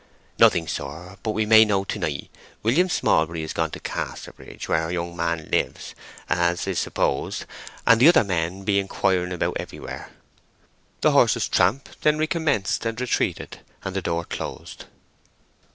"Nothing, sir—but we may know to night. William Smallbury is gone to Casterbridge, where her young man lives, as is supposed, and the other men be inquiring about everywhere." The horse's tramp then recommenced and retreated, and the door closed.